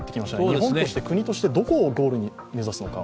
日本として国としてどこをゴールに目指すのか？